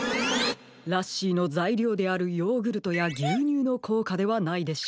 ラッシーの材料であるヨーグルトや牛乳の効果ではないでしょうか。